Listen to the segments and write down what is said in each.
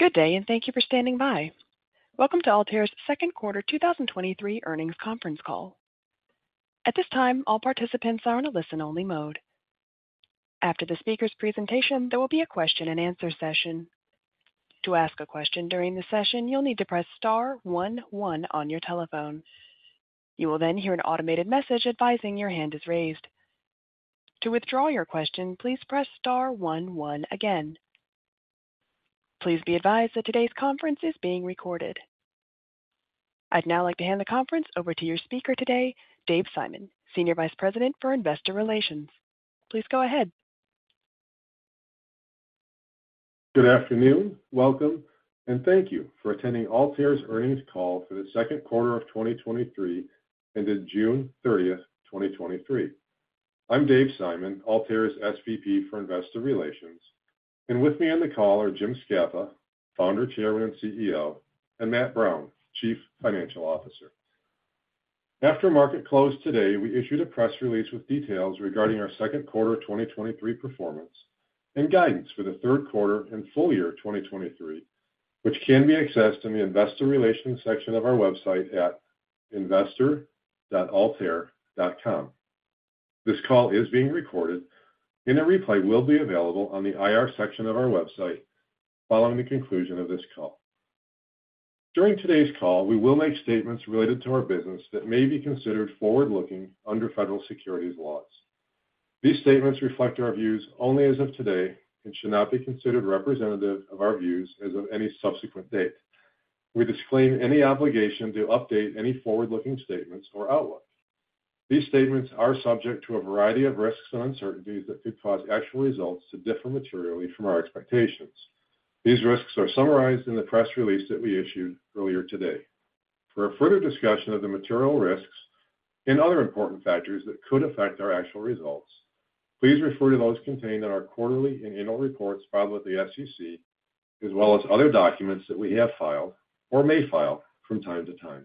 Good day, thank you for standing by. Welcome to Altair's Q2 2023 earnings conference call. At this time, all participants are in a listen-only mode. After the speaker's presentation, there will be a question-and-answer session. To ask a question during the session, you'll need to press star one one on your telephone. You will hear an automated message advising your hand is raised. To withdraw your question, please press star one one again. Please be advised that today's conference is being recorded. I'd now like to hand the conference over to your speaker today, Dave Simon, Senior Vice President for Investor Relations. Please go ahead. Good afternoon, welcome, and thank you for attending Altair's earnings call for the Q2 of 2023, ended June 30, 2023. I'm Dave Simon, Altair's SVP for Investor Relations, and with me on the call are Jim Scapa, Founder, Chairman, and CEO, and Matt Brown, Chief Financial Officer. After market closed today, we issued a press release with details regarding our Q2 2023 performance and guidance for the Q3 and full year of 2023, which can be accessed in the investor relations section of our website at investor.altair.com. This call is being recorded and a replay will be available on the IR section of our website following the conclusion of this call. During today's call, we will make statements related to our business that may be considered forward-looking under federal securities laws. These statements reflect our views only as of today and should not be considered representative of our views as of any subsequent date. We disclaim any obligation to update any forward-looking statements or outlook. These statements are subject to a variety of risks and uncertainties that could cause actual results to differ materially from our expectations. These risks are summarized in the press release that we issued earlier today. For a further discussion of the material risks and other important factors that could affect our actual results, please refer to those contained in our quarterly and annual reports filed with the SEC, as well as other documents that we have filed or may file from time to time.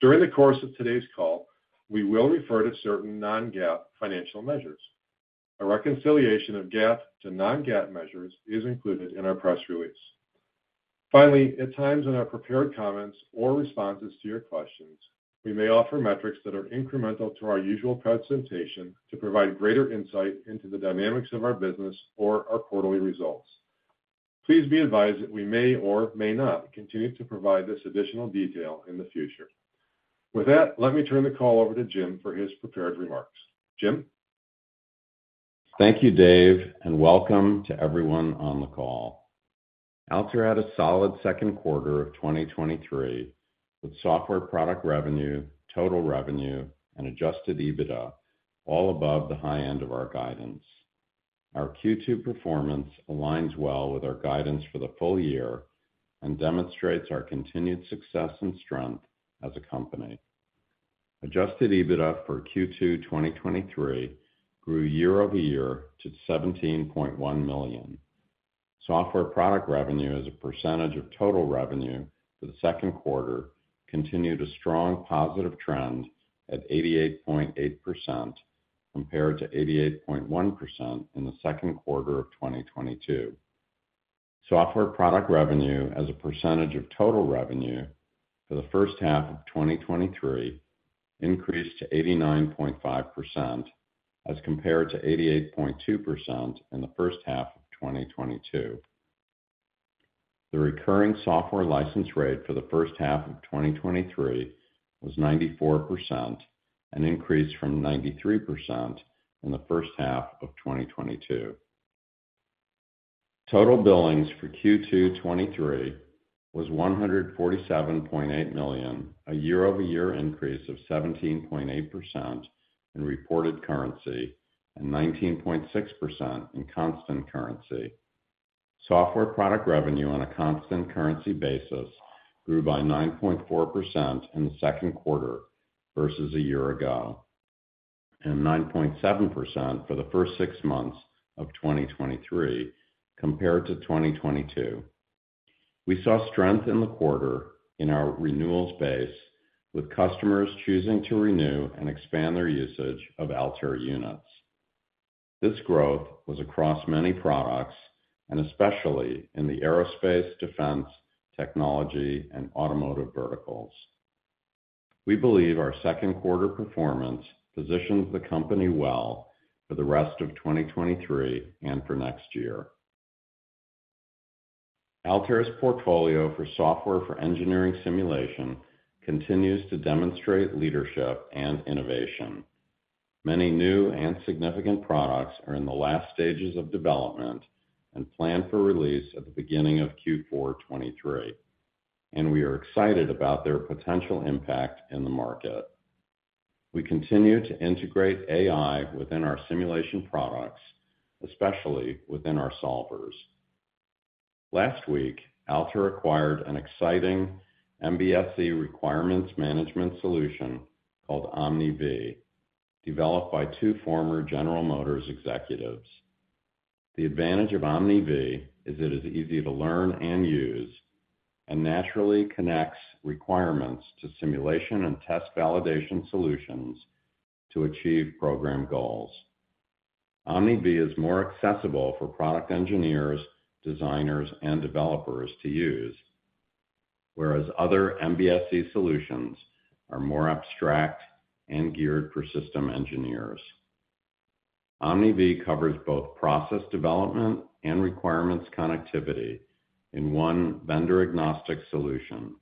During the course of today's call, we will refer to certain non-GAAP financial measures. A reconciliation of GAAP to non-GAAP measures is included in our press release. Finally, at times in our prepared comments or responses to your questions, we may offer metrics that are incremental to our usual presentation to provide greater insight into the dynamics of our business or our quarterly results. Please be advised that we may or may not continue to provide this additional detail in the future. With that, let me turn the call over to Jim for his prepared remarks. Jim? Thank you, Dave, welcome to everyone on the call. Altair had a solid Q2 of 2023, with software product revenue, total revenue, and adjusted EBITDA all above the high end of our guidance. Our Q2 performance aligns well with our guidance for the full year and demonstrates our continued success and strength as a company. Adjusted EBITDA for Q2 2023 grew year-over-year to $17.1 million. Software product revenue as a percentage of total revenue for the Q2 continued a strong positive trend at 88.8%, compared to 88.1% in the Q2 of 2022. Software product revenue as a percentage of total revenue for the first half of 2023 increased to 89.5%, as compared to 88.2% in the first half of 2022. The recurring software license rate for the first half of 2023 was 94%, an increase from 93% in the first half of 2022. Total billings for Q2 2023 was $147.8 million, a year-over-year increase of 17.8% in reported currency and 19.6% in constant currency. Software product revenue on a constant currency basis grew by 9.4% in the Q2 versus a year ago, and 9.7% for the first six months of 2023 compared to 2022. We saw strength in the quarter in our renewal space, with customers choosing to renew and expand their usage of Altair Units. This growth was across many products, and especially in the aerospace, defense, technology, and automotive verticals. We believe our Q2 performance positions the company well for the rest of 2023 and for next year. Altair's portfolio for software for engineering simulation continues to demonstrate leadership and innovation. Many new and significant products are in the last stages of development and planned for release at the beginning of Q4 2023. We are excited about their potential impact in the market. We continue to integrate AI within our simulation products, especially within our solvers. Last week, Altair acquired an exciting MBSE requirements management solution called OmniV, developed by two former General Motors executives. The advantage of OmniV is that it's easy to learn and use, and naturally connects requirements to simulation and test validation solutions to achieve program goals. OmniV is more accessible for product engineers, designers, and developers to use, whereas other MBSE solutions are more abstract and geared for system engineers. OmniV covers both process development and requirements connectivity in one vendor-agnostic solution.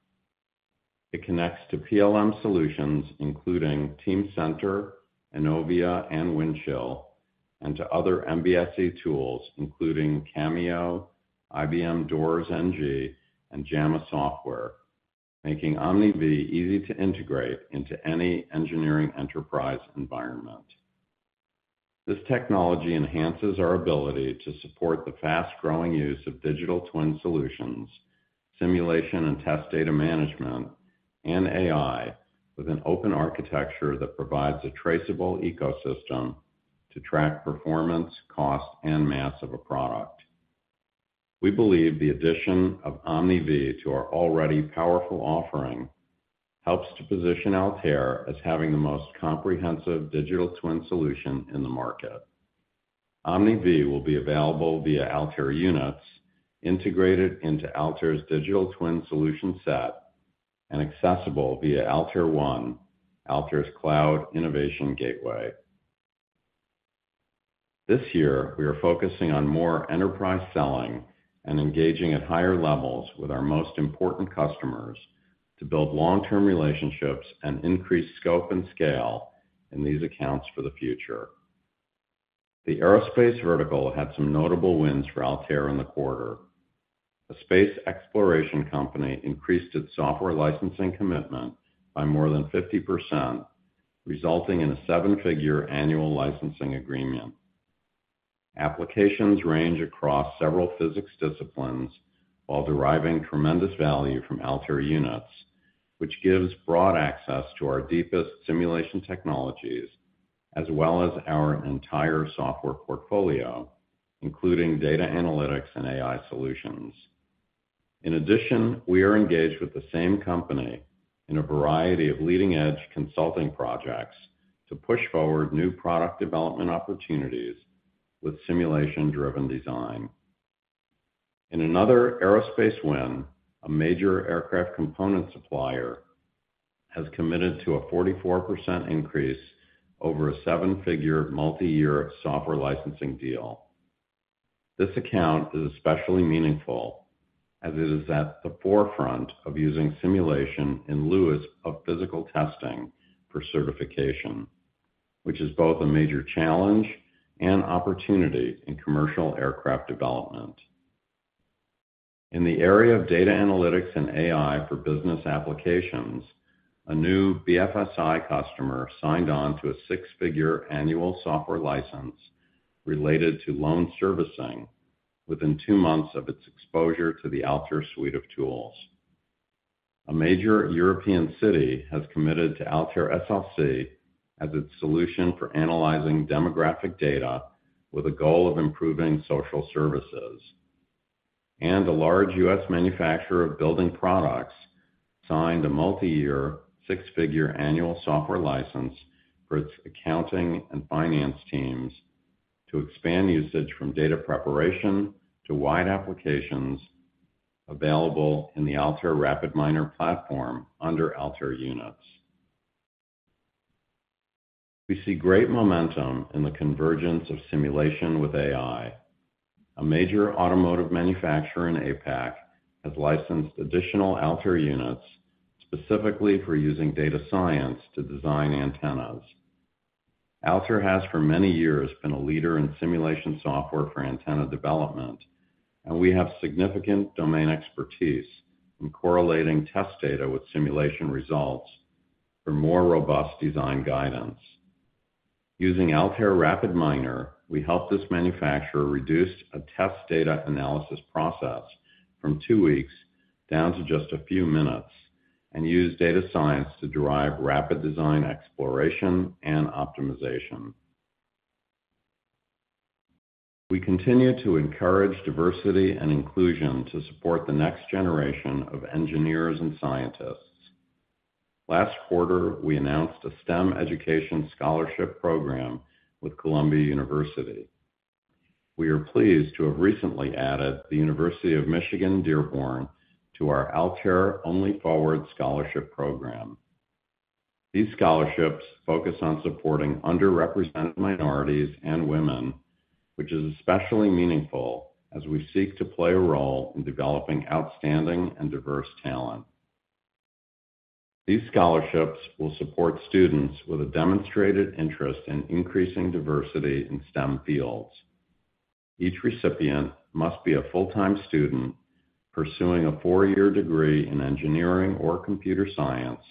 It connects to PLM solutions, including Teamcenter, ENOVIA, and Windchill, and to other MBSE tools, including Cameo, IBM DOORS NG, and Jama Software, making OmniV easy to integrate into any engineering enterprise environment. This technology enhances our ability to support the fast-growing use of digital twin solutions, simulation and test data management, and AI, with an open architecture that provides a traceable ecosystem to track performance, cost, and mass of a product. We believe the addition of OmniV to our already powerful offering helps to position Altair as having the most comprehensive digital twin solution in the market. OmniV will be available via Altair Units, integrated into Altair's digital twin solution set, and accessible via Altair One, Altair's cloud innovation gateway. This year, we are focusing on more enterprise selling and engaging at higher levels with our most important customers to build long-term relationships and increase scope and scale in these accounts for the future. The aerospace vertical had some notable wins for Altair in the quarter. A space exploration company increased its software licensing commitment by more than 50%, resulting in a seven-figure annual licensing agreement. Applications range across several physics disciplines while deriving tremendous value from Altair Units, which gives broad access to our deepest simulation technologies, as well as our entire software portfolio, including data analytics and AI solutions. We are engaged with the same company in a variety of leading-edge consulting projects to push forward new product development opportunities with simulation-driven design. In another aerospace win, a major aircraft component supplier has committed to a 44% increase over a $7-figure, multiyear software licensing deal. This account is especially meaningful, as it is at the forefront of using simulation in lieu of physical testing for certification, which is both a major challenge and opportunity in commercial aircraft development. In the area of data analytics and AI for business applications, a new BFSI customer signed on to a $6-figure annual software license related to loan servicing within two months of its exposure to the Altair suite of tools. A major European city has committed to Altair SLC as its solution for analyzing demographic data with a goal of improving social services. A large U.S. manufacturer of building products signed a multiyear, six-figure annual software license for its accounting and finance teams to expand usage from data preparation to wide applications available in the Altair RapidMiner platform under Altair Units. We see great momentum in the convergence of simulation with AI. A major automotive manufacturer in APAC has licensed additional Altair Units, specifically for using data science to design antennas. Altair has, for many years, been a leader in simulation software for antenna development, and we have significant domain expertise in correlating test data with simulation results for more robust design guidance. Using Altair RapidMiner, we helped this manufacturer reduce a test data analysis process from two weeks down to just a few minutes and use data science to derive rapid design, exploration, and optimization. We continue to encourage diversity and inclusion to support the next generation of engineers and scientists. Last quarter, we announced a STEM education scholarship program with Columbia University. We are pleased to have recently added the University of Michigan-Dearborn to our Altair Only Forward scholarship program. These scholarships focus on supporting underrepresented minorities and women, which is especially meaningful as we seek to play a role in developing outstanding and diverse talent. These scholarships will support students with a demonstrated interest in increasing diversity in STEM fields. Each recipient must be a full-time student pursuing a four-year degree in engineering or computer science,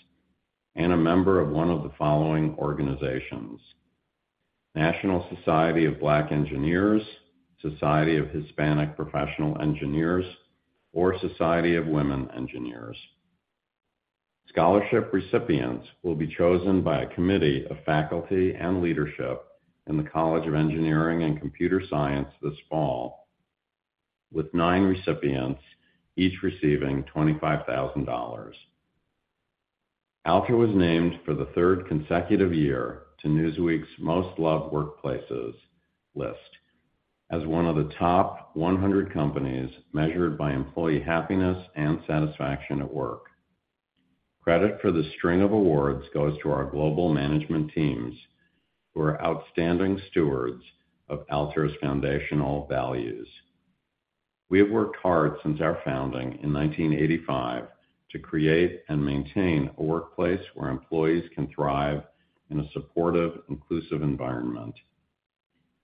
and a member of one of the following organizations: National Society of Black Engineers, Society of Hispanic Professional Engineers, or Society of Women Engineers. Scholarship recipients will be chosen by a committee of faculty and leadership in the College of Engineering and Computer Science this fall, with nine recipients, each receiving $25,000. Altair was named for the third consecutive year to Newsweek's Most Loved Workplaces list as one of the top 100 companies measured by employee happiness and satisfaction at work. Credit for the string of awards goes to our global management teams, who are outstanding stewards of Altair's foundational values. We have worked hard since our founding in 1985 to create and maintain a workplace where employees can thrive in a supportive, inclusive environment.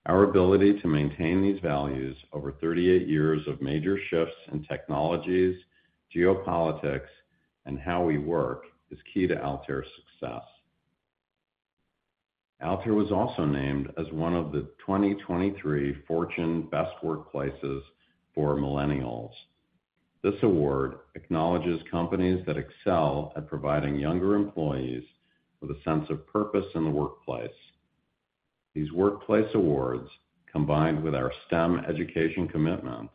Our ability to maintain these values over 38 years of major shifts in technologies, geopolitics, and how we work, is key to Altair's success. Altair was also named as one of the 2023 Fortune Best Workplaces for Millennials. This award acknowledges companies that excel at providing younger employees with a sense of purpose in the workplace. These workplace awards, combined with our STEM education commitments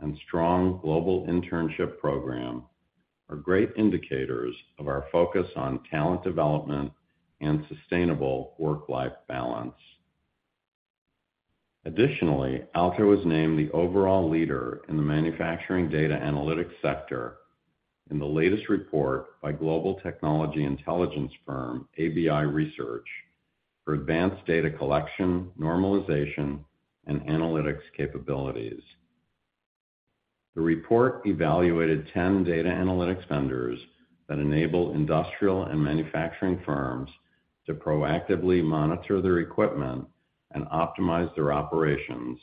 and strong global internship program, are great indicators of our focus on talent development and sustainable work-life balance. Altair was named the overall leader in the manufacturing data analytics sector in the latest report by global technology intelligence firm ABI Research, for advanced data collection, normalization, and analytics capabilities. The report evaluated 10 data analytics vendors that enable industrial and manufacturing firms to proactively monitor their equipment and optimize their operations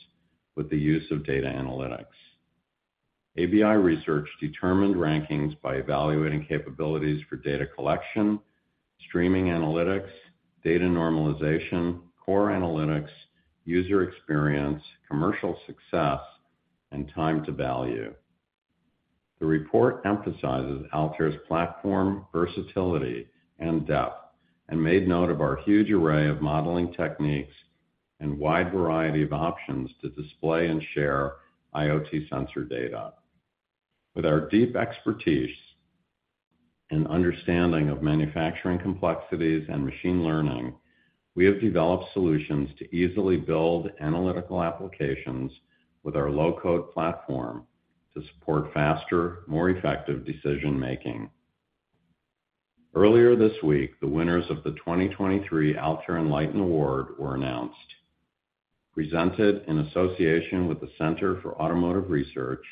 with the use of data analytics. ABI Research determined rankings by evaluating capabilities for data collection, streaming analytics, data normalization, core analytics, user experience, commercial success, and time to value. The report emphasizes Altair's platform versatility and depth, and made note of our huge array of modeling techniques and wide variety of options to display and share IoT sensor data. With our deep expertise and understanding of manufacturing complexities and machine learning, we have developed solutions to easily build analytical applications with our low-code platform to support faster, more effective decision-making. Earlier this week, the winners of the 2023 Altair Enlighten Award were announced. Presented in association with the Center for Automotive Research,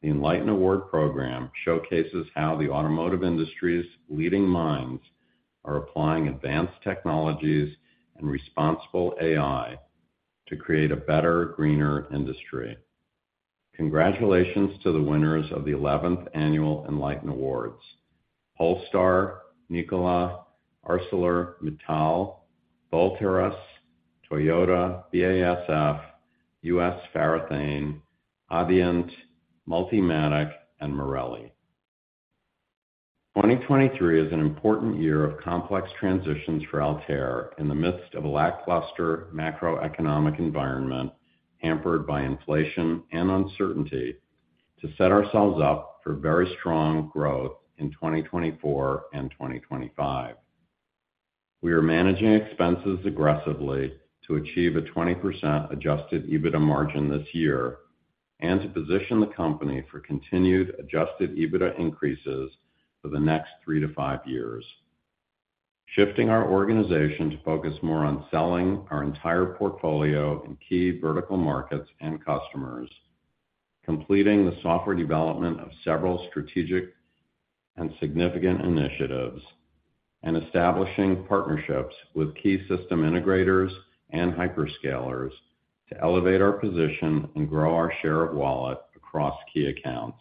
the Enlighten Award program showcases how the automotive industry's leading minds are applying advanced technologies and responsible AI to create a better, greener industry. Congratulations to the winners of the 11th annual Enlighten Awards: Polestar, Nikola, ArcelorMittal, Volteras, Toyota, BASF, U.S. Farathane, Adient, Multimatic, and Marelli. 2023 is an important year of complex transitions for Altair in the midst of a lackluster macroeconomic environment, hampered by inflation and uncertainty, to set ourselves up for very strong growth in 2024 and 2025. We are managing expenses aggressively to achieve a 20% adjusted EBITDA margin this year, and to position the company for continued adjusted EBITDA increases for the next three to five years. Shifting our organization to focus more on selling our entire portfolio in key vertical markets and customers, completing the software development of several strategic and significant initiatives, and establishing partnerships with key system integrators and hyperscalers to elevate our position and grow our share of wallet across key accounts.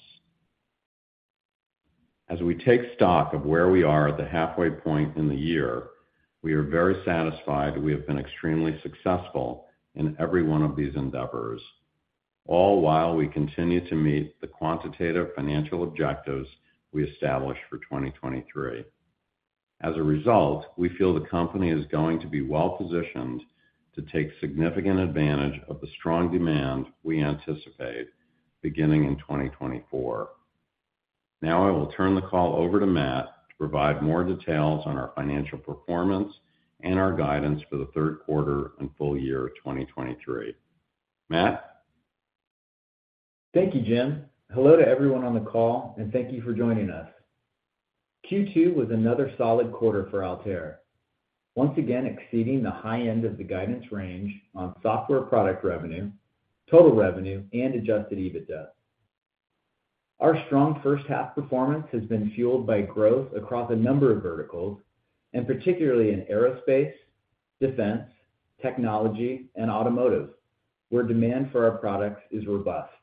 As we take stock of where we are at the halfway point in the year, we are very satisfied that we have been extremely successful in every one of these endeavors, all while we continue to meet the quantitative financial objectives we established for 2023. As a result, we feel the company is going to be well-positioned to take significant advantage of the strong demand we anticipate beginning in 2024. Now, I will turn the call over to Matt to provide more details on our financial performance and our guidance for the Q3 and full year 2023. Matt? Thank you, Jim. Hello to everyone on the call, and thank you for joining us. Q2 was another solid quarter for Altair, once again exceeding the high end of the guidance range on software product revenue, total revenue, and adjusted EBITDA. Our strong first half performance has been fueled by growth across a number of verticals, and particularly in aerospace, defense, technology, and automotive, where demand for our products is robust.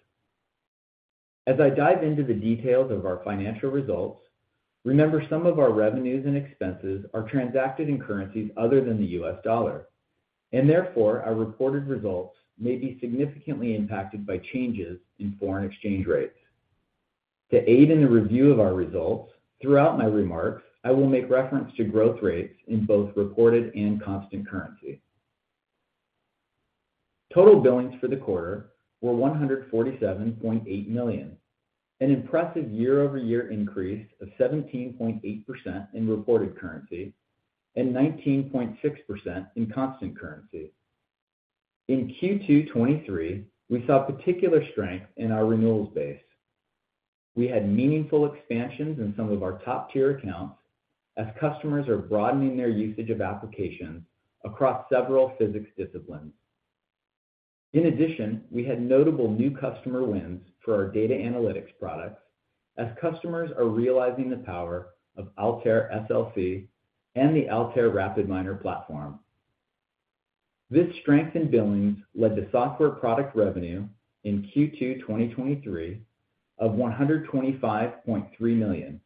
As I dive into the details of our financial results, remember, some of our revenues and expenses are transacted in currencies other than the US dollar, and therefore, our reported results may be significantly impacted by changes in foreign exchange rates. To aid in the review of our results, throughout my remarks, I will make reference to growth rates in both reported and constant currency.... Total billings for the quarter were $147.8 million, an impressive year-over-year increase of 17.8% in reported currency, and 19.6% in constant currency. In Q2 2023, we saw particular strength in our renewals base. We had meaningful expansions in some of our top-tier accounts as customers are broadening their usage of applications across several physics disciplines. In addition, we had notable new customer wins for our data analytics products as customers are realizing the power of Altair SLC and the Altair RapidMiner platform. This strength in billings led to software product revenue in Q2 2023 of $125.3 million,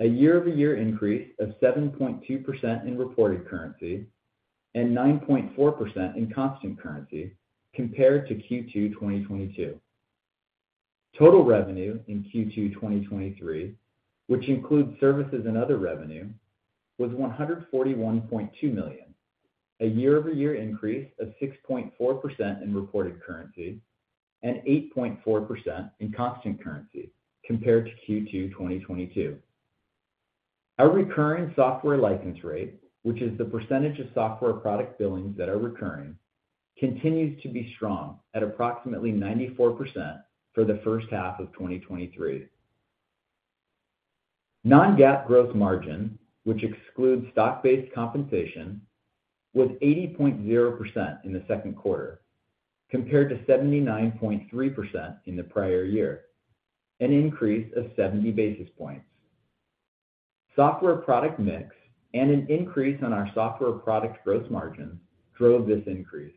a year-over-year increase of 7.2% in reported currency and 9.4% in constant currency compared to Q2 2022. Total revenue in Q2 2023, which includes services and other revenue, was $141.2 million, a year-over-year increase of 6.4% in reported currency and 8.4% in constant currency compared to Q2 2022. Our recurring software license rate, which is the percentage of software product billings that are recurring, continues to be strong at approximately 94% for the first half of 2023. non-GAAP gross margin, which excludes stock-based compensation, was 80.0% in the Q2, compared to 79.3% in the prior year, an increase of 70 basis points. Software product mix and an increase on our software product gross margin drove this increase.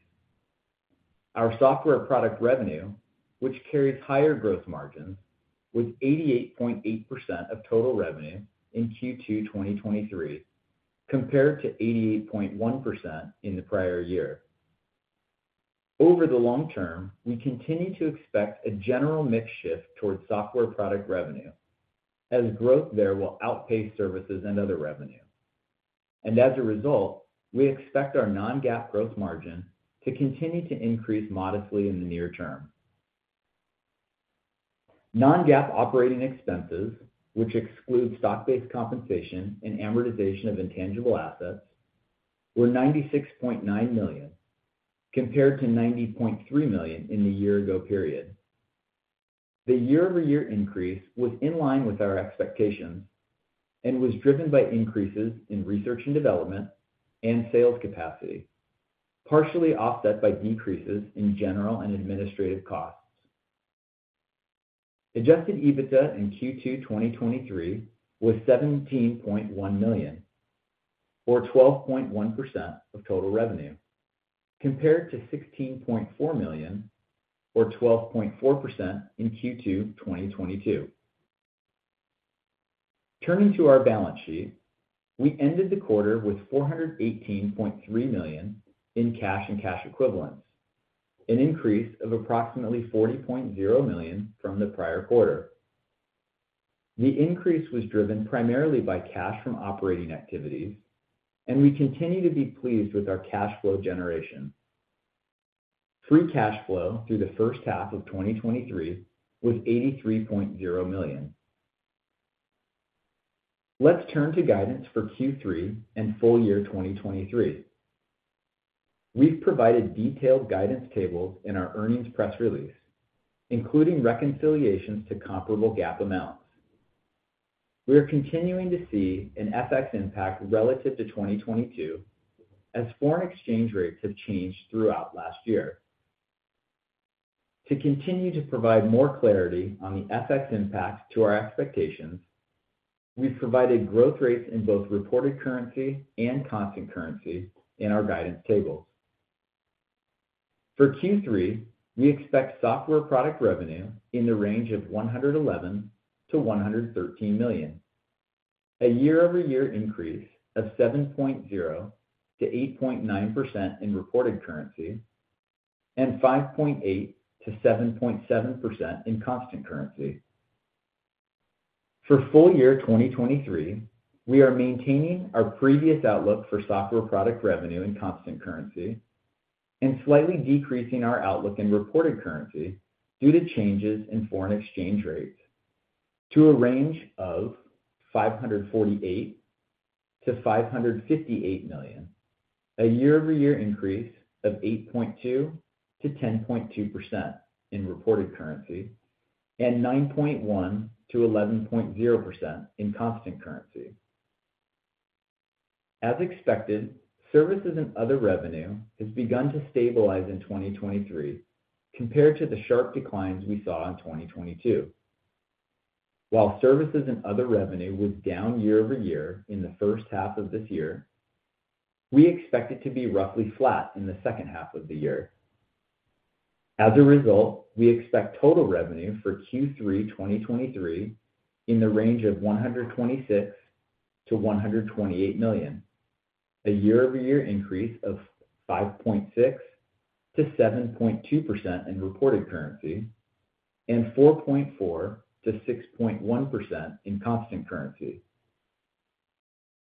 Our software product revenue, which carries higher gross margins, was 88.8% of total revenue in Q2 2023, compared to 88.1% in the prior year. Over the long term, we continue to expect a general mix shift towards software product revenue, as growth there will outpace services and other revenue. As a result, we expect our non-GAAP gross margin to continue to increase modestly in the near term. Non-GAAP operating expenses, which excludes stock-based compensation and amortization of intangible assets, were $96.9 million, compared to $90.3 million in the year-ago period. The year-over-year increase was in line with our expectations and was driven by increases in research and development and sales capacity, partially offset by decreases in general and administrative costs. Adjusted EBITDA in Q2 2023 was $17.1 million, or 12.1% of total revenue, compared to $16.4 million, or 12.4% in Q2 2022. Turning to our balance sheet, we ended the quarter with $418.3 million in cash and cash equivalents, an increase of approximately $40.0 million from the prior quarter. The increase was driven primarily by cash from operating activities, and we continue to be pleased with our cash flow generation. Free cash flow through the first half of 2023 was $83.0 million. Let's turn to guidance for Q3 and full year 2023. We've provided detailed guidance tables in our earnings press release, including reconciliations to comparable GAAP amounts. We are continuing to see an FX impact relative to 2022, as foreign exchange rates have changed throughout last year. To continue to provide more clarity on the FX impact to our expectations, we've provided growth rates in both reported currency and constant currency in our guidance tables. For Q3, we expect software product revenue in the range of $111 million to $113 million, a year-over-year increase of 7.0% to 8.9% in reported currency and 5.8%-7.7% in constant currency. For full year 2023, we are maintaining our previous outlook for software product revenue in constant currency and slightly decreasing our outlook in reported currency due to changes in foreign exchange rates to a range of $548 million-$558 million, a year-over-year increase of 8.2%-10.2% in reported currency and 9.1%-11.0% in constant currency. As expected, services and other revenue has begun to stabilize in 2023 compared to the sharp declines we saw in 2022. While services and other revenue was down year-over-year in the first half of this year, we expect it to be roughly flat in the second half of the year. As a result, we expect total revenue for Q3 2023 in the range of $126 million-$128 million, a year-over-year increase of 5.6%-7.2% in reported currency and 4.4%-6.1% in constant currency.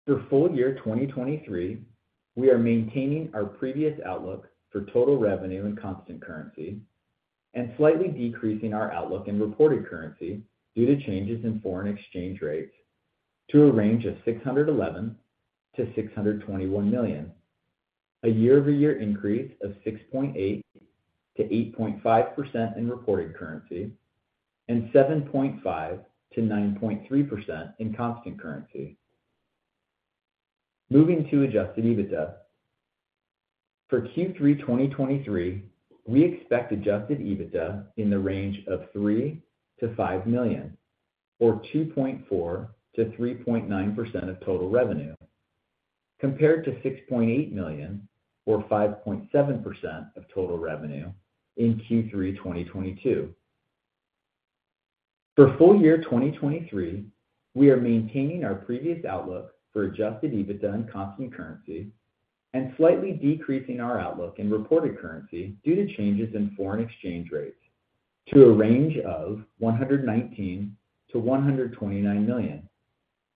For full year 2023, we are maintaining our previous outlook for total revenue and constant currency, and slightly decreasing our outlook in reported currency due to changes in foreign exchange rates to a range of $611 million-$621 million, a year-over-year increase of 6.8%-8.5% in reported currency and 7.5%-9.3% in constant currency. Moving to adjusted EBITDA. For Q3 2023, we expect adjusted EBITDA in the range of $3 million-$5 million or 2.4%-3.9% of total revenue, compared to $6.8 million or 5.7% of total revenue in Q3 2022. For full year 2023, we are maintaining our previous outlook for adjusted EBITDA and constant currency and slightly decreasing our outlook in reported currency due to changes in foreign exchange rates to a range of $119 million-$129 million,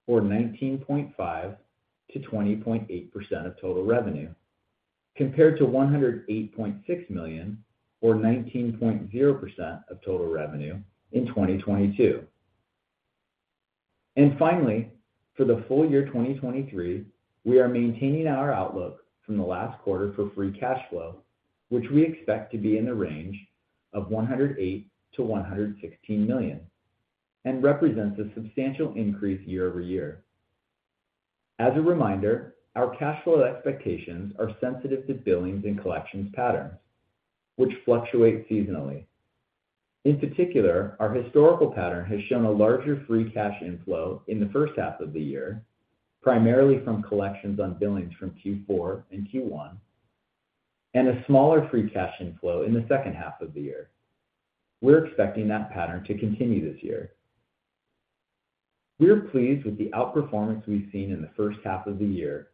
or 19.5%-20.8% of total revenue, compared to $108.6 million, or 19.0% of total revenue in 2022. Finally, for the full year 2023, we are maintaining our outlook from the last quarter for free cash flow, which we expect to be in the range of $108 million-$116 million and represents a substantial increase year-over-year. As a reminder, our cash flow expectations are sensitive to billings and collections patterns, which fluctuate seasonally. In particular, our historical pattern has shown a larger free cash inflow in the first half of the year, primarily from collections on billings from Q4 and Q1, and a smaller free cash inflow in the second half of the year. We're expecting that pattern to continue this year. We're pleased with the outperformance we've seen in the first half of the year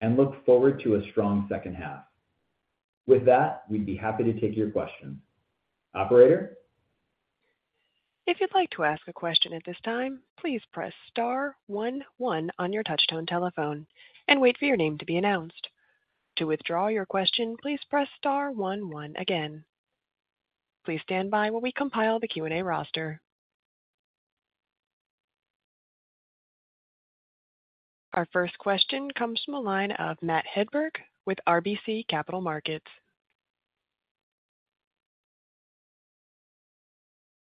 and look forward to a strong second half. With that, we'd be happy to take your questions. Operator? If you'd like to ask a question at this time, please press star one one on your touchtone telephone and wait for your name to be announced. To withdraw your question, please press star one one again. Please stand by while we compile the Q&A roster. Our first question comes from the line of Matt Hedberg with RBC Capital Markets.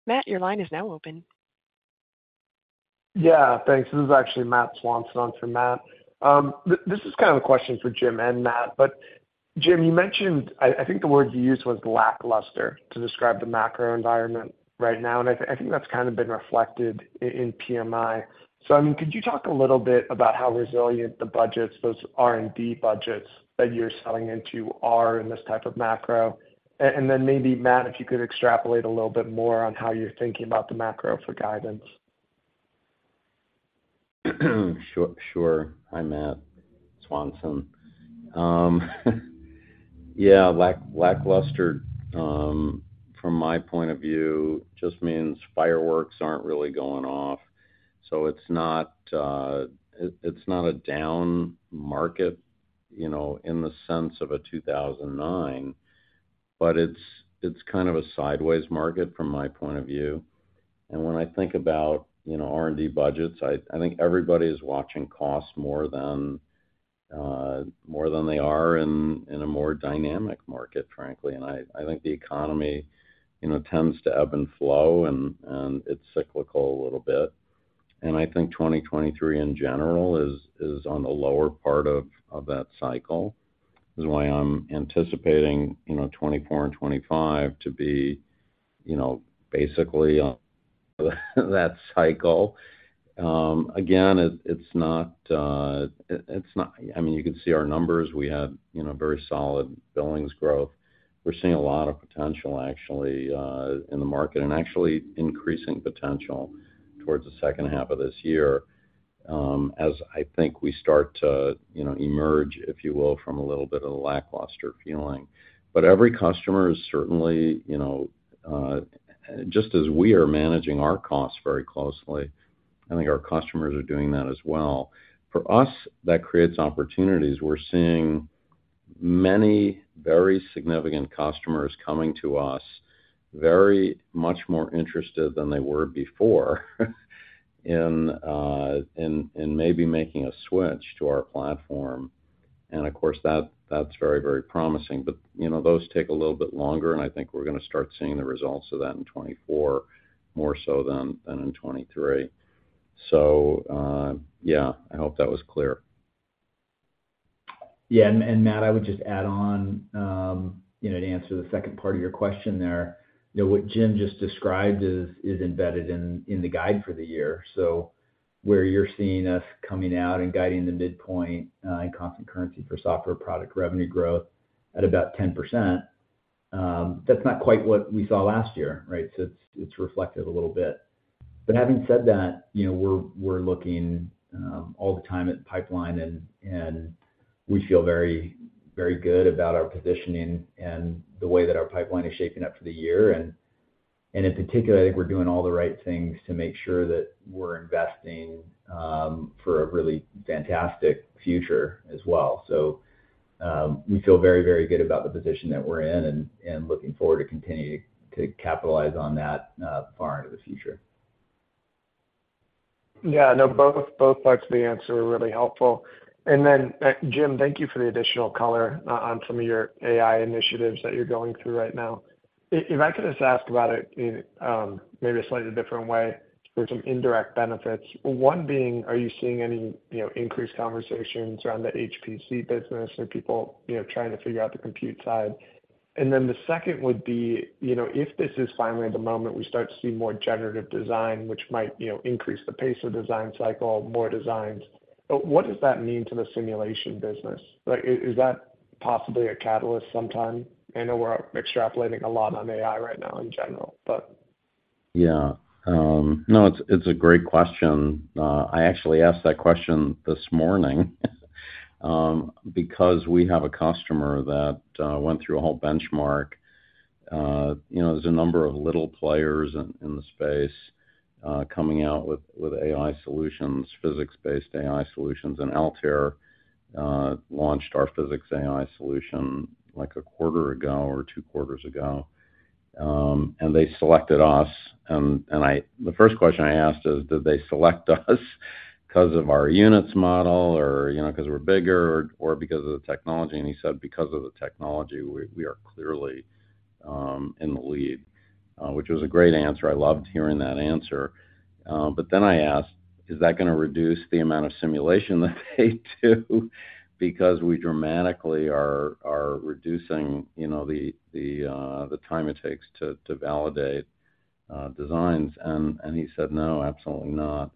Matt, your line is now open. Yeah, thanks. This is actually Matt Swanson for Matt. This is kind of a question for Jim and Matt, but Jim, you mentioned, I think the word you used was lackluster to describe the macro environment right now, and I think that's kind of been reflected in PMI. I mean, could you talk a little bit about how resilient the budgets, those R&D budgets that you're selling into are in this type of macro? Maybe, Matt, if you could extrapolate a little bit more on how you're thinking about the macro for guidance. Sure. Sure. Hi, Matt Swanson. Yeah, lack- lackluster, from my point of view, just means fireworks aren't really going off. It's not, it, it's not a down market, you know, in the sense of a 2009, but it's, it's kind of a sideways market from my point of view. When I think about, you know, R&D budgets, I, I think everybody is watching costs more than, more than they are in, in a more dynamic market, frankly. I, I think the economy, you know, tends to ebb and flow, and, and it's cyclical a little bit. I think 2023, in general, is, is on the lower part of, of that cycle. This is why I'm anticipating, you know, 2024 and 2025 to be, you know, basically, that cycle. Again, it's not... It, it's not, I mean, you can see our numbers. We had, you know, very solid billings growth. We're seeing a lot of potential, actually, in the market and actually increasing potential towards the second half of this year, as I think we start to, you know, emerge, if you will, from a little bit of a lackluster feeling. But every customer is certainly, you know, just as we are managing our costs very closely, I think our customers are doing that as well. For us, that creates opportunities. We're seeing many very significant customers coming to us very much more interested than they were before in, in, in maybe making a switch to our platform. Of course, that, that's very, very promising, but, you know, those take a little bit longer, and I think we're gonna start seeing the results of that in 24, more so than, than in 23. Yeah, I hope that was clear. Matt, I would just add on, you know, to answer the second part of your question there. You know, what Jim just described is, is embedded in, in the guide for the year. Where you're seeing us coming out and guiding the midpoint, in constant currency for software product revenue growth at about 10%, that's not quite what we saw last year, right? It's, it's reflected a little bit. Having said that, you know, we're, we're looking all the time at pipeline and, and we feel very, very good about our positioning and the way that our pipeline is shaping up for the year. In particular, I think we're doing all the right things to make sure that we're investing for a really fantastic future as well. We feel very, very good about the position that we're in, and, and looking forward to continuing to capitalize on that, far into the future. Yeah, no, both, both parts of the answer were really helpful. Then, Jim, thank you for the additional color, on some of your AI initiatives that you're going through right now. If I could just ask about it in, maybe a slightly different way for some indirect benefits. One being, are you seeing any, you know, increased conversations around the HPC business or people, you know, trying to figure out the compute side? Then the second would be, you know, if this is finally the moment we start to see more generative design, which might, you know, increase the pace of design cycle, more designs, what does that mean to the simulation business? Like, is that possibly a catalyst sometime? I know we're extrapolating a lot on AI right now in general, but. Yeah. No, it's, it's a great question. I actually asked that question this morning because we have a customer that went through a whole benchmark. You know, there's a number of little players in, in the space coming out with AI solutions, physics-based AI solutions, and Altair launched our PhysicsAI solution, like, a quarter ago or two quarters ago. They selected us, and, the first question I asked is, did they select us 'cause of our units model or, you know, 'cause we're bigger or because of the technology? He said, because of the technology, we, we are clearly in the lead, which was a great answer. I loved hearing that answer. But then I asked, "Is that gonna reduce the amount of simulation that they do? Because we dramatically are, are reducing, you know, the, the time it takes to, to validate designs. He said, "No, absolutely not."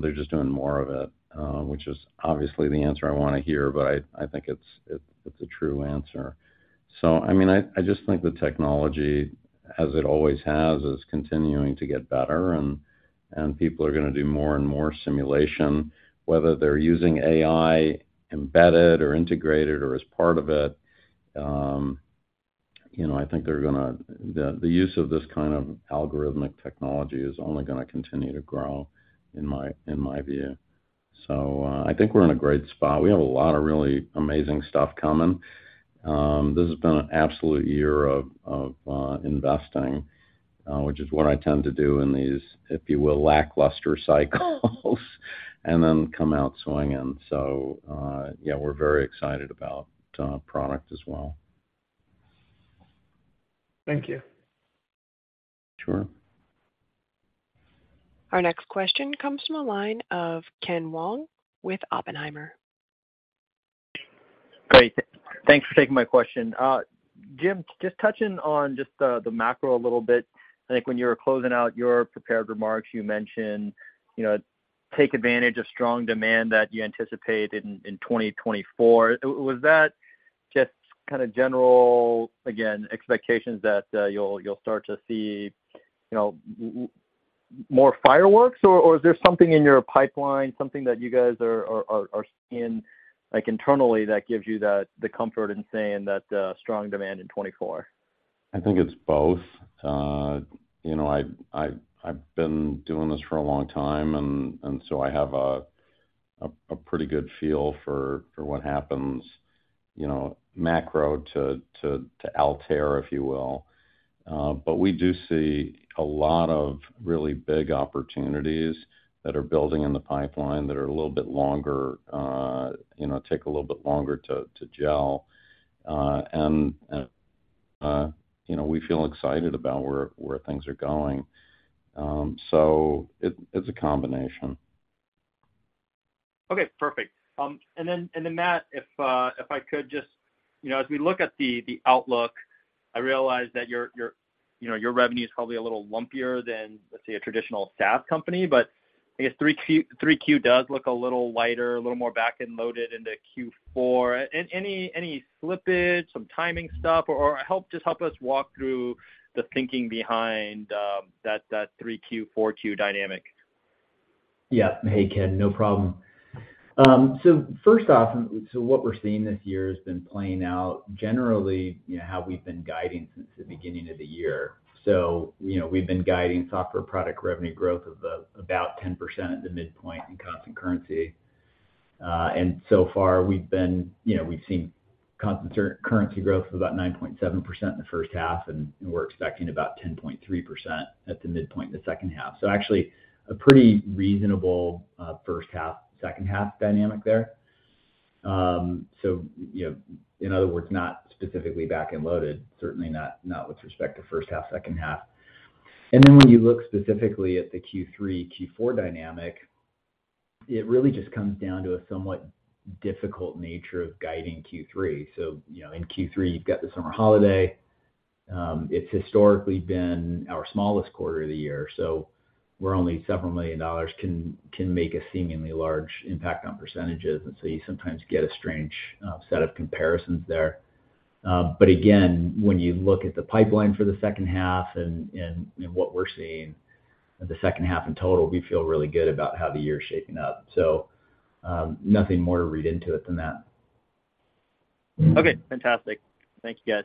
They're just doing more of it, which is obviously the answer I wanna hear, but I, I think it's, it, it's a true answer. I mean, I, I just think the technology, as it always has, is continuing to get better, and, and people are gonna do more and more simulation, whether they're using AI embedded or integrated or as part of it. You know, I think the use of this kind of algorithmic technology is only gonna continue to grow, in my, in my view. I think we're in a great spot. We have a lot of really amazing stuff coming. This has been an absolute year of, of investing, which is what I tend to do in these, if you will, lackluster cycles, and then come out swinging. Yeah, we're very excited about product as well. Thank you. Sure. Our next question comes from the line of Ken Wong with Oppenheimer. Great. Thanks for taking my question. Jim, just touching on just the, the macro a little bit. I think when you were closing out your prepared remarks, you mentioned, you know, take advantage of strong demand that you anticipate in, in 2024. Was that just kind of general, again, expectations that you'll, you'll start to see, you know, more fireworks, or, or is there something in your pipeline, something that you guys are, are, are, are seeing, like, internally, that gives you that, the comfort in saying that, strong demand in 2024? I think it's both. You know, I've, I've, I've been doing this for a long time, and, I have a, a, a pretty good feel for, for what happens, you know, macro to, to, to Altair, if you will. We do see a lot of really big opportunities that are building in the pipeline that are a little bit longer, you know, take a little bit longer to, to gel. You know, we feel excited about where, where things are going. It's a combination. Okay, perfect. Matt, if I could just, you know, as we look at the, the outlook, I realize that your, your, you know, your revenue is probably a little lumpier than, let's say, a traditional SaaS company, but I guess 3Q does look a little lighter, a little more back-end loaded into 4Q. Any slippage, some timing stuff, or just help us walk through the thinking behind that 3Q, 4Q dynamic? Yeah. Hey, Ken, no problem. First off, what we're seeing this year has been playing out generally, you know, how we've been guiding since the beginning of the year. You know, we've been guiding software product revenue growth of about 10% at the midpoint in constant currency. So far, we've been... You know, we've seen constant currency growth of about 9.7% in the first half, and we're expecting about 10.3% at the midpoint in the second half. Actually, a pretty reasonable first half, second half dynamic there. You know, in other words, not specifically back and loaded, certainly not, not with respect to first half, second half. Then when you look specifically at the Q3, Q4 dynamic, it really just comes down to a somewhat difficult nature of guiding Q3. You know, in Q3, you've got the summer holiday. It's historically been our smallest quarter of the year, so where only $several million can make a seemingly large impact on percentages, and so you sometimes get a strange set of comparisons there. Again, when you look at the pipeline for the second half and what we're seeing for the second half in total, we feel really good about how the year is shaping up. Nothing more to read into it than that. Okay, fantastic. Thank you, guys.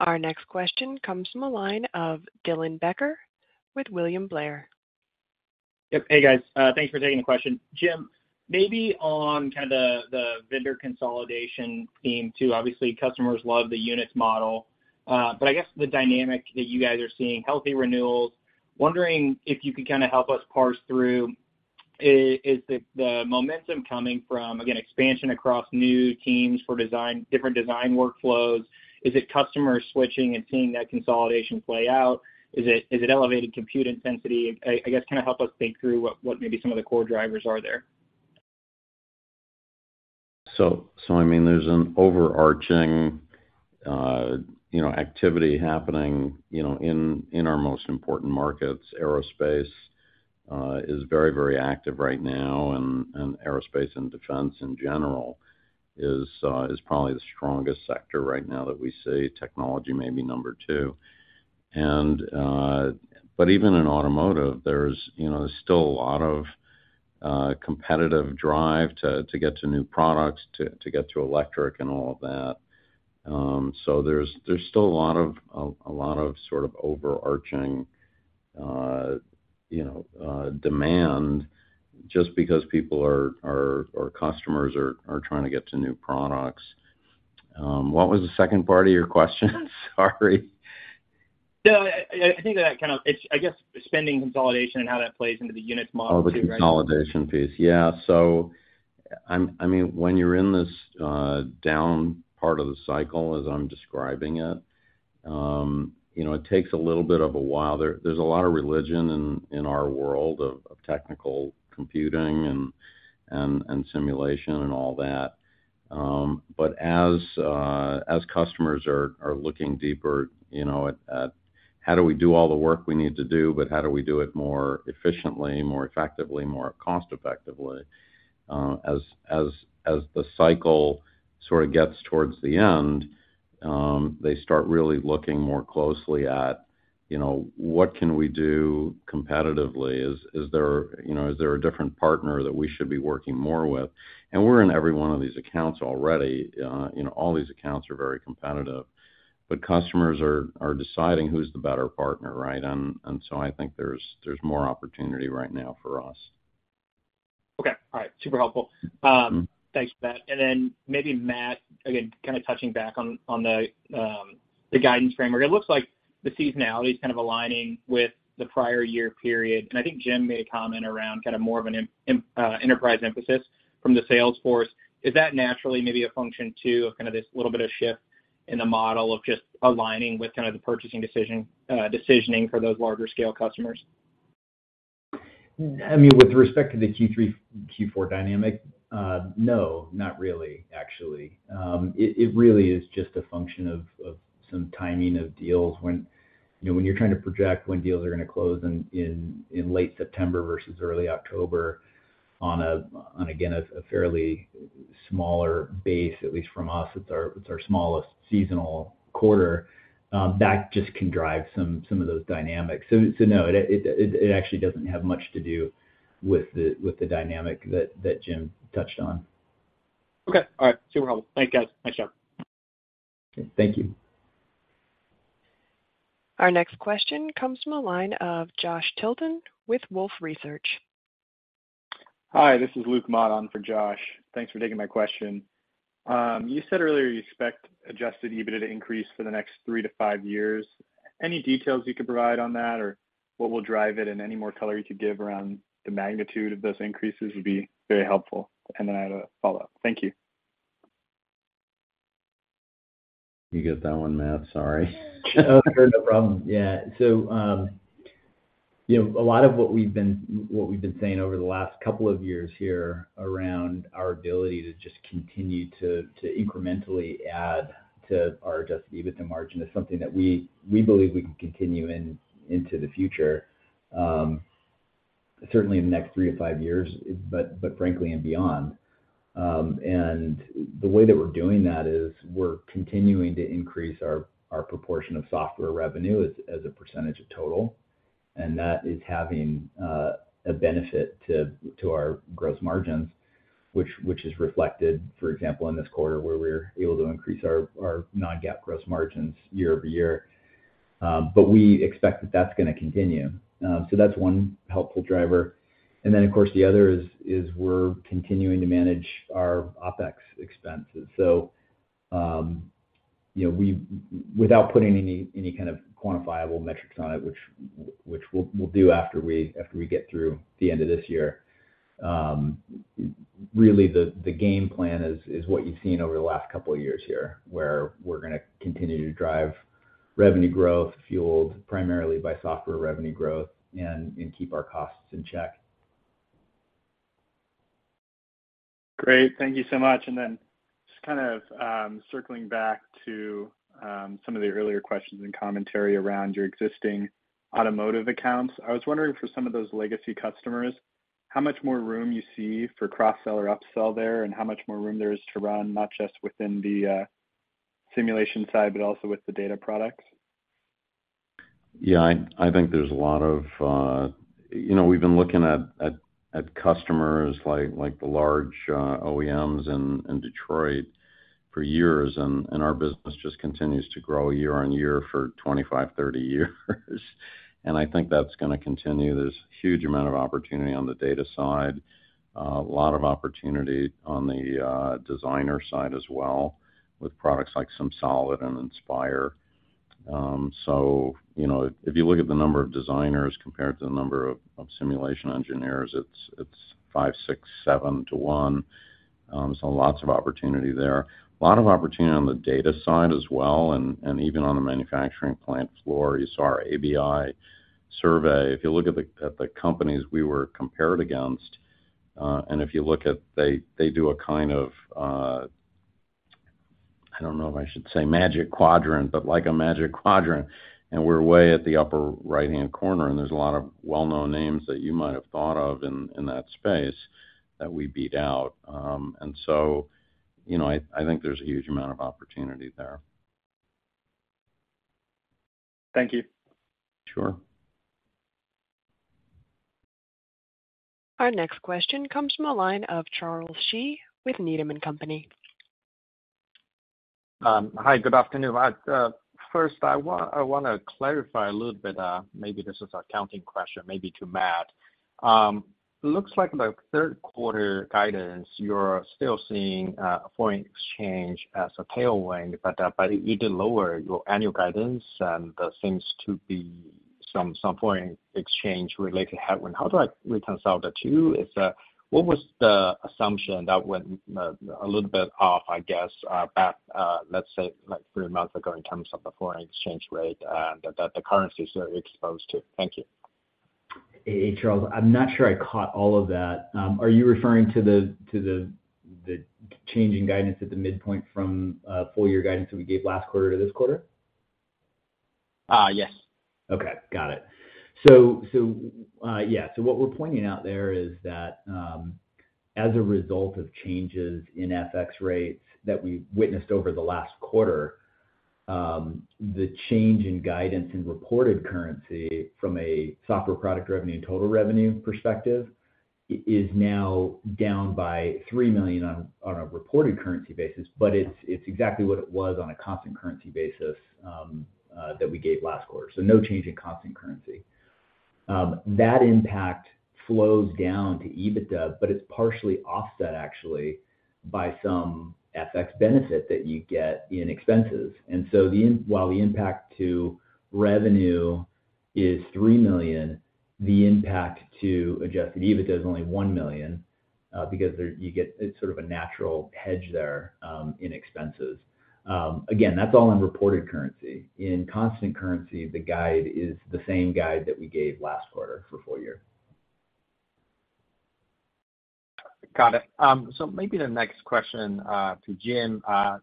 Our next question comes from the line of Dylan Becker with William Blair. Yep. Hey, guys. thanks for taking the question. Jim, maybe on kind of the vendor consolidation theme, too, obviously, customers love the units model. but I guess the dynamic that you guys are seeing, healthy renewals, wondering if you could kind of help us parse through, is the, the momentum coming from, again, expansion across new teams for different design workflows? Is it customers switching and seeing that consolidation play out? Is it, is it elevated compute intensity? I, I guess, kind of help us think through what, what maybe some of the core drivers are there? I mean, there's an overarching, you know, activity happening, you know, in our most important markets. Aerospace is very, very active right now, and aerospace and defense in general is probably the strongest sector right now that we see. Technology may be number two. But even in automotive, there's, you know, there's still a lot of competitive drive to get to new products, to get to electric and all of that. So there's still a lot of, a lot of sort of overarching, you know, demand, just because people are, our customers are trying to get to new products. What was the second part of your question? Sorry. No, I think that kind of. It's, I guess, spending consolidation and how that plays into the Units model, too, right? Oh, the consolidation piece. Yeah. I mean, when you're in this, down part of the cycle, as I'm describing it, you know, it takes a little bit of a while. There's a lot of religion in, in our world of, of technical computing and, and, and simulation and all that. As customers are, are looking deeper, you know, at, at how do we do all the work we need to do, but how do we do it more efficiently, more effectively, more cost-effectively? As the cycle sort of gets towards the end, they start really looking more closely at, you know, what can we do competitively? Is there, you know, is there a different partner that we should be working more with? We're in every one of these accounts already, you know, all these accounts are very competitive. Customers are deciding who's the better partner, right? I think there's more opportunity right now for us. Okay. All right. Super helpful. Thanks for that. Then maybe Matt, again, kind of touching back on, on the guidance framework. It looks like the seasonality is kind of aligning with the prior year period, and I think Jim made a comment around kind of more of an enterprise emphasis from the sales force. Is that naturally maybe a function, too, of kind of this little bit of shift in the model of just aligning with kind of the purchasing decision, decisioning for those larger-scale customers? I mean, with respect to the Q3, Q4 dynamic, no, not really, actually. It, it really is just a function of, of some timing of deals when... You know, when you're trying to project when deals are going to close in, in, in late September versus early October on a, on again, a, a fairly smaller base, at least from us, it's our, it's our smallest seasonal quarter, that just can drive some, some of those dynamics. So no, it, it, it actually doesn't have much to do with the, with the dynamic that, that Jim touched on. Okay. All right. Super helpful. Thank you, guys. Thanks, Jim. Okay. Thank you. Our next question comes from the line of Josh Tilton with Wolfe Research. Hi, this is Luke Mott on for Josh. Thanks for taking my question. You said earlier you expect adjusted EBITDA to increase for the next three to five years. Any details you could provide on that, or what will drive it, and any more color you could give around the magnitude of those increases would be very helpful. Then I have a follow-up. Thank you. You get that one, Matt. Sorry. Sure, no problem. Yeah. You know, a lot of what we've been, what we've been saying over the last couple of years here around our ability to just continue to incrementally add to our adjusted EBITDA margin is something that we, we believe we can continue into the future, certainly in the next three to five years, but frankly, and beyond. The way that we're doing that is we're continuing to increase our proportion of software revenue as a percentage of total, and that is having a benefit to our gross margins, which is reflected, for example, in this quarter, where we're able to increase our non-GAAP gross margins year-over-year. We expect that that's gonna continue. That's one helpful driver. Of course, the other is, is we're continuing to manage our OpEx expenses. Without putting any, any kind of quantifiable metrics on it, which, which we'll, we'll do after we, after we get through the end of this year, really, the, the game plan is, is what you've seen over the last couple of years here, where we're gonna continue to drive revenue growth, fueled primarily by software revenue growth, and, and keep our costs in check. Great. Thank you so much. Just kind of circling back to some of the earlier questions and commentary around your existing automotive accounts, I was wondering for some of those legacy customers how much more room you see for cross-sell or upsell there, and how much more room there is to run, not just within the simulation side, but also with the data products? Yeah, I, I think there's a lot of, you know, we've been looking at, at, at customers like, like the large OEMs in Detroit for years, and, and our business just continues to grow year-on-year for 25, 30 years. I think that's gonna continue. There's a huge amount of opportunity on the data side, a lot of opportunity on the designer side as well, with products like SimSolid and Inspire. You know, if you look at the number of designers compared to the number of, of simulation engineers, it's, it's 5, 6, 7 to 1. Lots of opportunity there. A lot of opportunity on the data side as well, and, and even on the manufacturing plant floor. You saw our ABI survey. If you look at the, at the companies we were compared against, and if you look at they, they do a kind of, I don't know if I should say Magic Quadrant, but like a Magic Quadrant, and we're way at the upper right-hand corner, and there's a lot of well-known names that you might have thought of in, in that space that we beat out. You know, I, I think there's a huge amount of opportunity there. Thank you. Sure. Our next question comes from the line of Charles Shi with Needham & Company. Hi, good afternoon. I, first, I wanna clarify a little bit, maybe this is an accounting question, maybe to Matt. Looks like the Q3 guidance, you're still seeing foreign exchange as a tailwind, but you did lower your annual guidance, and there seems to be some, some foreign exchange-related headwind. How do I reconcile the two? Is, what was the assumption that went a little bit off, I guess, back, let's say, like three months ago in terms of the foreign exchange rate and the, the currencies you're exposed to? Thank you. Hey, Charles. I'm not sure I caught all of that. Are you referring to the, to the, the changing guidance at the midpoint from, full year guidance that we gave last quarter to this quarter? Yes. Okay, got it. What we're pointing out there is that, as a result of changes in FX rates that we've witnessed over the last quarter, the change in guidance and reported currency from a software product revenue and total revenue perspective, is now down by $3 million on a reported currency basis, but it's exactly what it was on a constant currency basis that we gave last quarter. No change in constant currency. That impact flows down to EBITDA, but it's partially offset actually, by some FX benefit that you get in expenses. While the impact to revenue is $3 million, the impact to adjusted EBITDA is only $1 million, because there, you get... It's sort of a natural hedge there, in expenses. Again, that's all in reported currency. In constant currency, the guide is the same guide that we gave last quarter for full year. Got it. Maybe the next question to Jim.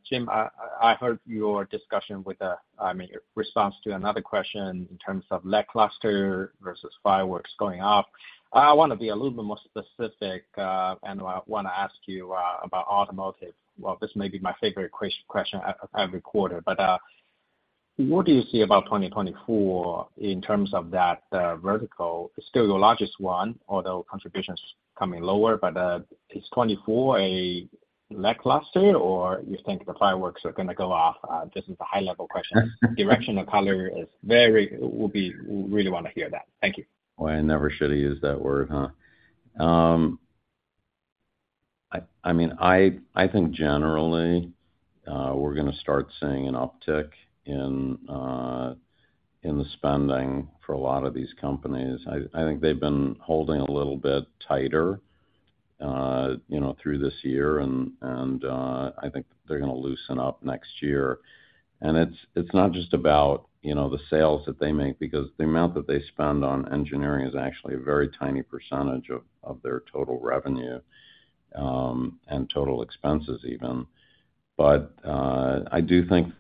Jim, I heard your discussion with the, I mean, your response to another question in terms of lackluster versus fireworks going off. I want to be a little bit more specific, and I want to ask you about automotive. Well, this may be my favorite question every quarter, what do you see about 2024 in terms of that vertical? It's still your largest one, although contributions coming lower, is 2024 a lackluster or you think the fireworks are gonna go off? This is a high-level question. Direction of color is very... We'll really wanna hear that. Thank you. Well, I never should have used that word, huh? I mean, I think generally, we're gonna start seeing an uptick in the spending for a lot of these companies. I think they've been holding a little bit tighter, you know, through this year, I think they're gonna loosen up next year. It's, it's not just about, you know, the sales that they make, because the amount that they spend on engineering is actually a very tiny percentage of their total revenue, and total expenses even. I do think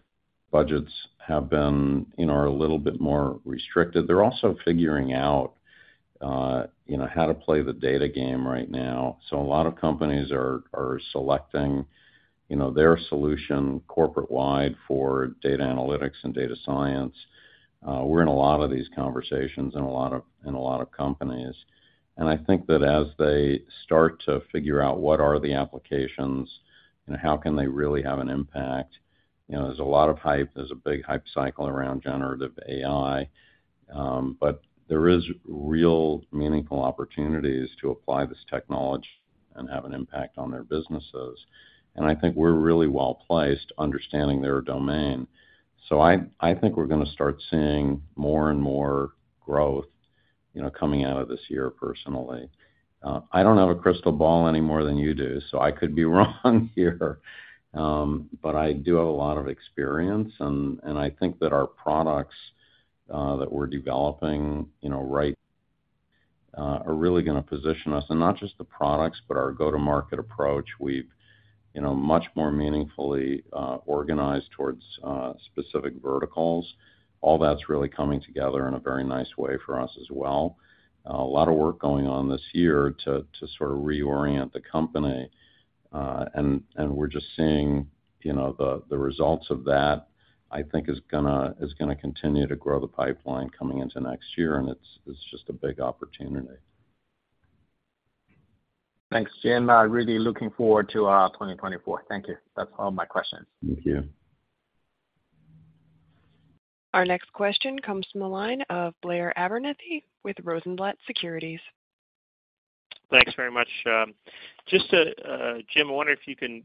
budgets have been, you know, are a little bit more restricted. They're also figuring out, you know, how to play the data game right now. A lot of companies are, are selecting, you know, their solution corporate-wide for data analytics and data science. We're in a lot of these conversations in a lot of, in a lot of companies. I think that as they start to figure out what are the applications and how can they really have an impact, you know, there's a lot of hype. There's a big hype cycle around generative AI, but there is real meaningful opportunities to apply this technology and have an impact on their businesses. I think we're really well-placed understanding their domain. I, I think we're gonna start seeing more and more growth, you know, coming out of this year, personally. I don't have a crystal ball any more than you do, so I could be wrong here. I do have a lot of experience, and, and I think that our products, that we're developing, you know, right, are really gonna position us, and not just the products, but our go-to-market approach. We've, you know, much more meaningfully, organized towards, specific verticals. All that's really coming together in a very nice way for us as well. A lot of work going on this year to, to sort of reorient the company, and, and we're just seeing, you know, the, the results of that, I think is gonna, is gonna continue to grow the pipeline coming into next year, and it's, it's just a big opportunity. Thanks, Jim. really looking forward to 2024. Thank you. That's all my questions. Thank you. Our next question comes from the line of Blair Abernethy with Rosenblatt Securities. Thanks very much. Just to, Jim, I wonder if you can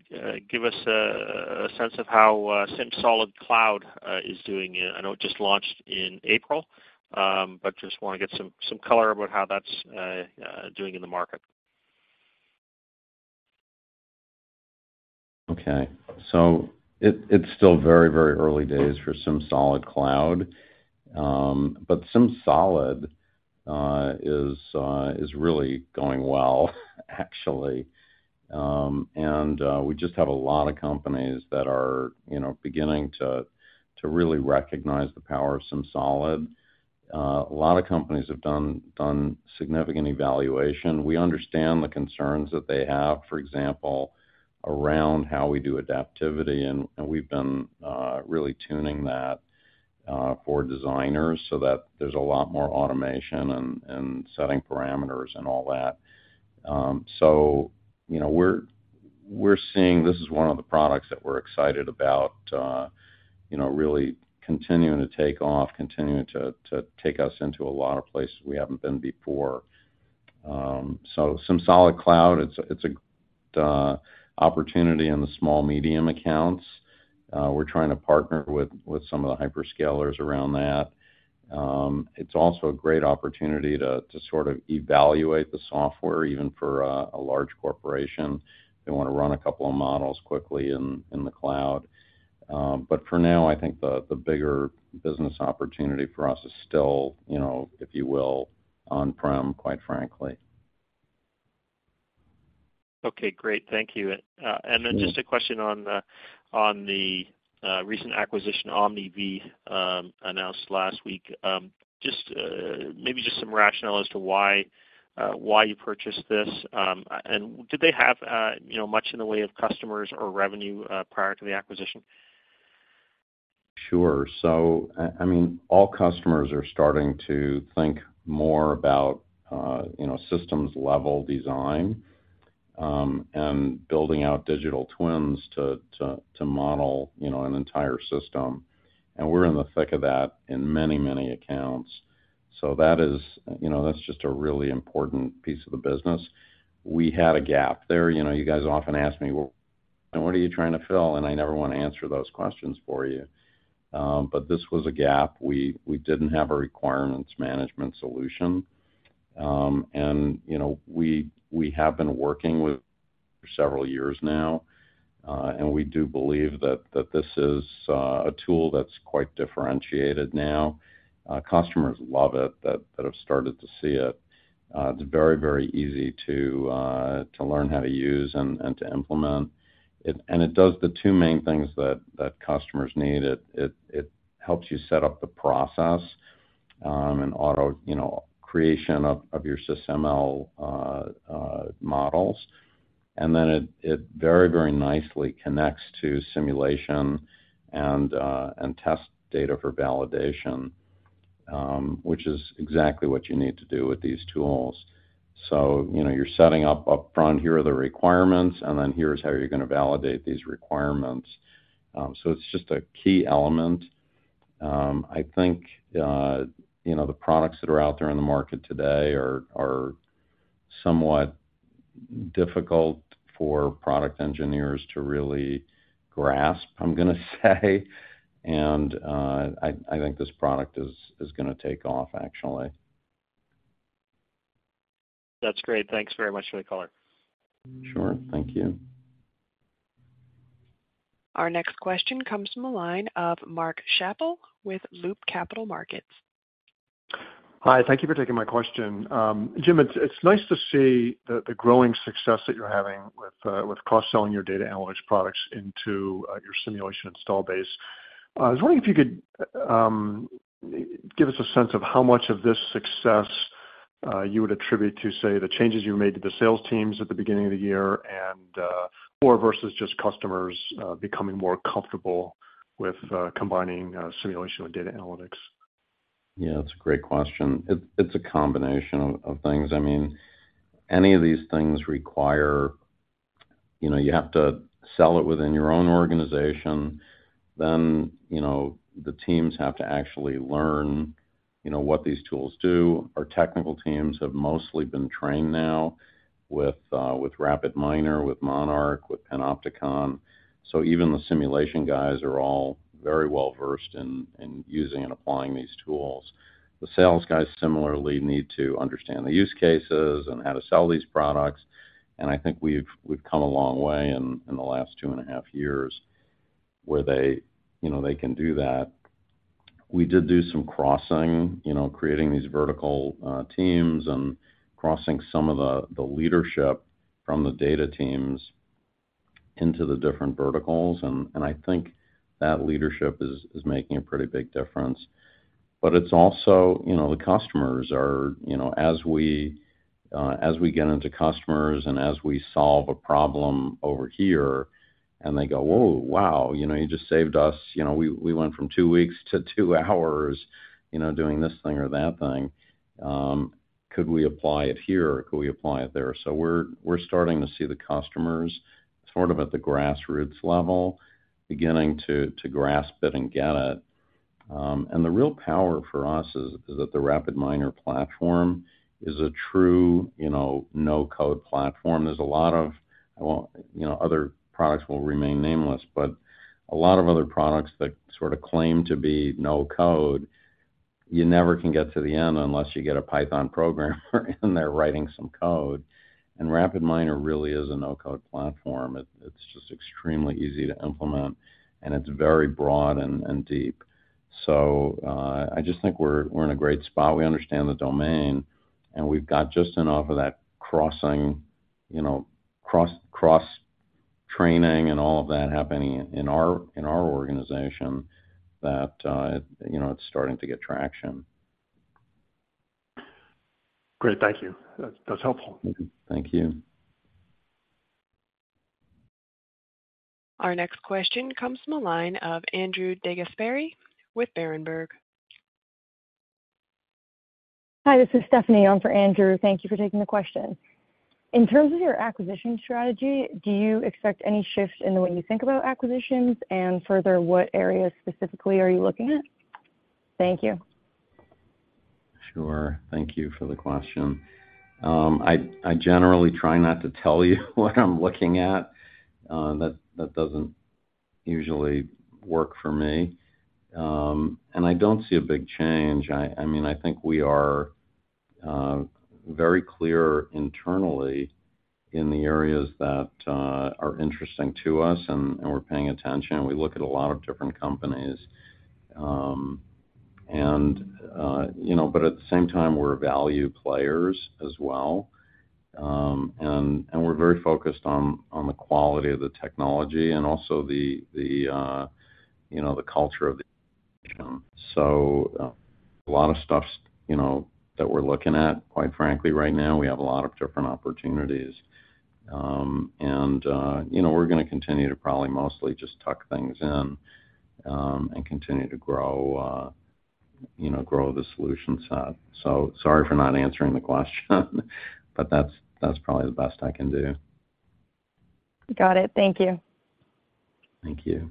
give us a sense of how SimSolid Cloud is doing. I know it just launched in April, but just wanna get some color about how that's doing in the market? Okay. It, it's still very, very early days for Simsolid Cloud. Simsolid is really going well, actually. We just have a lot of companies that are, you know, beginning to, to really recognize the power of Simsolid. A lot of companies have done, done significant evaluation. We understand the concerns that they have, for example, around how we do adaptivity, and, and we've been really tuning that for designers so that there's a lot more automation and, and setting parameters and all that. You know, we're, we're seeing this is one of the products that we're excited about, you know, really continuing to take off, continuing to, to take us into a lot of places we haven't been before. Simsolid Cloud, it's, it's a opportunity in the small medium accounts. We're trying to partner with, with some of the hyperscalers around that. It's also a great opportunity to, to sort of evaluate the software, even for a, a large corporation. They wanna run a couple of models quickly in, in the cloud. For now, I think the, the bigger business opportunity for us is still, you know, if you will, on-prem, quite frankly. Okay, great. Thank you. Then just a question on the, on the recent acquisition, OmniV, announced last week. Just maybe just some rationale as to why why you purchased this. Did they have, you know, much in the way of customers or revenue prior to the acquisition? Sure. I mean, all customers are starting to think more about, you know, systems-level design, and building out digital twins to, to, to model, you know, an entire system, and we're in the thick of that in many, many accounts. That is... You know, that's just a really important piece of the business. We had a gap there. You know, you guys often ask me: Well, what are you trying to fill? I never wanna answer those questions for you. This was a gap. We, we didn't have a requirements management solution. You know, we, we have been working with for several years now, and we do believe that, that this is a tool that's quite differentiated now. Customers love it, that, that have started to see it. It's very, very easy to learn how to use and, and to implement it. It does the two main things that, that customers need. It, it, it helps you set up the process, and auto, you know, creation of your SysML models. Then it, it very, very nicely connects to simulation and test data for validation, which is exactly what you need to do with these tools. You know, you're setting up upfront, here are the requirements, and then here's how you're gonna validate these requirements. It's just a key element. I think, you know, the products that are out there in the market today are, are somewhat difficult for product engineers to really grasp, I'm gonna say. I, I think this product is, is gonna take off, actually. That's great. Thanks very much for the color. Sure. Thank you. Our next question comes from the line of Mark Schappel with Loop Capital Markets. Hi, thank you for taking my question. Jim, it's, it's nice to see the, the growing success that you're having with cross-selling your data analytics products into your simulation install base. I was wondering if you could give us a sense of how much of this success you would attribute to, say, the changes you made to the sales teams at the beginning of the year and or versus just customers becoming more comfortable with combining simulation with data analytics? Yeah, that's a great question. It's, it's a combination of, of things. I mean, any of these things require, you know, you have to sell it within your own organization, then, you know, the teams have to actually learn, you know, what these tools do. Our technical teams have mostly been trained now with, with RapidMiner, with Monarch, with Panopticon. So even the simulation guys are all very well-versed in, in using and applying these tools. The sales guys similarly need to understand the use cases and how to sell these products, and I think we've, we've come a long way in, in the last two and a half years, where they, you know, they can do that. We did do some crossing, you know, creating these vertical teams and crossing some of the, the leadership from the data teams into the different verticals, and I think that leadership is, is making a pretty big difference. It's also, you know, the customers are... You know, as we get into customers and as we solve a problem over here, and they go: Oh, wow, you know, you just saved us. You know, we, we went from two weeks to two hours, you know, doing this thing or that thing. Could we apply it here? Could we apply it there? We're, we're starting to see the customers sort of at the grassroots level, beginning to, to grasp it and get it. The real power for us is, is that the RapidMiner platform is a true, you know, no-code platform. There's a lot of, well, you know, other products will remain nameless, but a lot of other products that sort of claim to be no-code, you never can get to the end unless you get a Python programmer in there writing some code. RapidMiner really is a no-code platform. It, it's just extremely easy to implement, and it's very broad and, and deep. I just think we're, we're in a great spot. We understand the domain, and we've got just enough of that crossing, you know, cross, cross-training and all of that happening in our, in our organization that, you know, it's starting to get traction. Great. Thank you. That, that's helpful. Thank you. Our next question comes from the line of Andrew DeGasperi with Berenberg. Hi, this is Stephanie on for Andrew. Thank you for taking the question. In terms of your acquisition strategy, do you expect any shift in the way you think about acquisitions? Further, what areas specifically are you looking at? Thank you. Sure. Thank you for the question. I, I generally try not to tell you what I'm looking at. That, that doesn't usually work for me. I don't see a big change. I, I mean, I think we are very clear internally in the areas that are interesting to us, and, and we're paying attention, and we look at a lot of different companies. You know, but at the same time, we're value players as well. We're very focused on, on the quality of the technology and also the, the, you know, the culture of the. A lot of stuff, you know, that we're looking at, quite frankly, right now, we have a lot of different opportunities. You know, we're going to continue to probably mostly just tuck things in, and continue to grow, you know, grow the solution set. Sorry for not answering the question, but that's, that's probably the best I can do. Got it. Thank you. Thank you.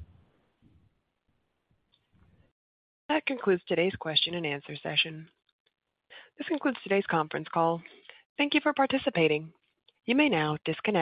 That concludes today's question and answer session. This concludes today's conference call. Thank you for participating. You may now disconnect.